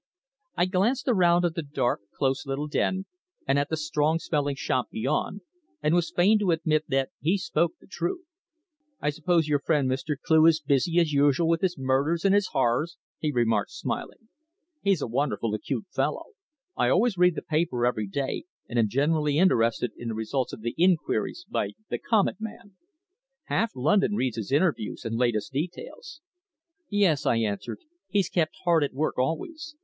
I glanced around at the dark, close little den, and at the strong smelling shop beyond, and was fain to admit that he spoke the truth. "I suppose your friend, Mr. Cleugh, is busy as usual with his murders and his horrors?" he remarked, smiling. "He's a wonderful acute fellow. I always read the paper every day, and am generally interested in the results of the inquiries by the Comet man. Half London reads his interviews and latest details." "Yes," I answered. "He's kept hard at work always.